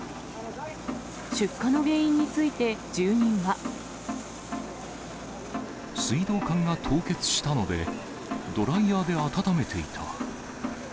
出火の原因について、水道管が凍結したので、ドライヤーで温めていた。